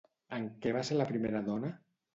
En què va ser la primera dona?